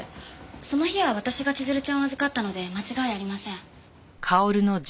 その日は私が千鶴ちゃんを預かったので間違いありません。